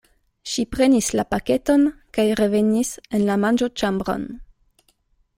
Ŝi prenis la paketon kaj revenis en la manĝoĉambron.